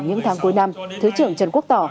những tháng cuối năm thứ trưởng trần quốc tỏ